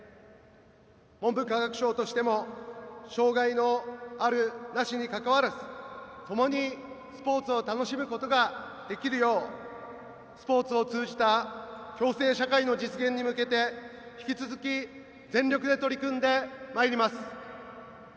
文部科学省としても障害のある・なしにかかわらずともにスポーツを楽しむことができるようスポーツを通じた共生社会の実現に向けて引き続き全力で取り組んでまいります。